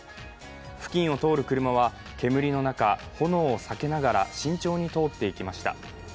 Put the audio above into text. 付近を通る車は、煙の中炎を避けながら慎重に通っていきました。